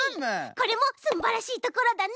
これもすんばらしいところだね。